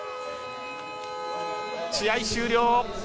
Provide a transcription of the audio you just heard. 試合終了。